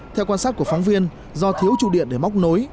theo quan sát của phóng viên do thiếu trụ điện để móc nối